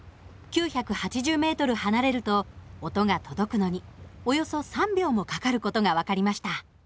９８０ｍ離れると音が届くのにおよそ３秒もかかる事が分かりました。